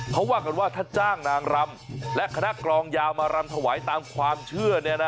เขาว่ากันว่าถ้าจ้างนางรำและคณะกรองยาวมารำถวายตามความเชื่อ